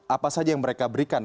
apa saja yang mereka berikan